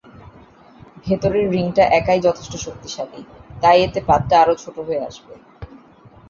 ভেতরের রিংটা একাই যথেষ্ট শক্তিশালী, তাই এতে পাতটা আরও ছোটো হয়ে আসবে।